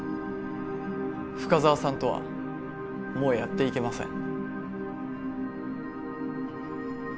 深沢さんとはもうやっていけません